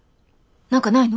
何かないの？